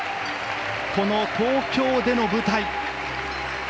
この東京での舞台！